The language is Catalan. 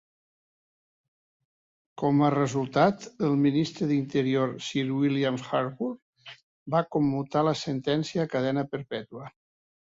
Com a resultat, el Ministre de l'Interior Sir William Harcourt, va commutar la sentència a cadena perpètua.